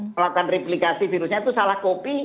melakukan replikasi virusnya itu salah kopi